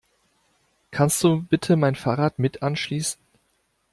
Kannst du bitte mein Fahrrad mit anschließen?